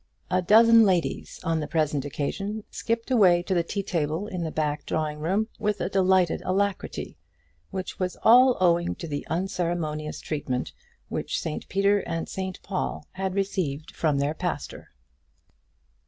A dozen ladies on the present occasion skipped away to the tea table in the back drawing room with a delighted alacrity, which was all owing to the unceremonious treatment which St Peter and St Paul had received from their pastor.